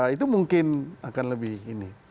itu mungkin akan lebih ini